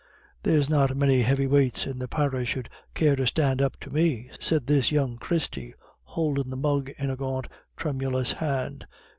"There's not many heavy weights in the parish 'ud care to stand up to me," said this young Christie, holding the mug in a gaunt tremulous hand.